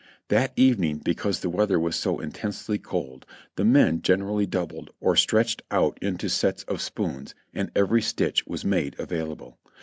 That evening, because the weather was so intensely cold, the men generally doubled or stretched out into sets of spoons, and every stitch was made available.